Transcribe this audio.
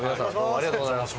ありがとうございます。